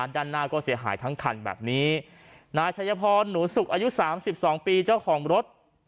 ด้านหน้าก็เสียหายทั้งคันแบบนี้นายชัยพรหนูสุกอายุสามสิบสองปีเจ้าของรถ